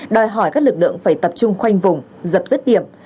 đòi hỏi các lực lượng phải tập trung khoanh vùng dập dứt điểm